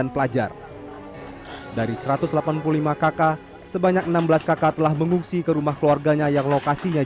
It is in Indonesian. sembilan pelajar dari satu ratus delapan puluh lima kakak sebanyak enam belas kakak telah mengungsi ke rumah keluarganya yang lokasinya